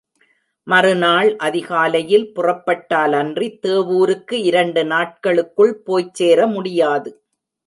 மறுநாள் அதிகாலையில் புறப்பட்டாலன்றி, தேவூருக்கு இரண்டு நாட்களுக்குள் போய்ச் சேர முடியாது.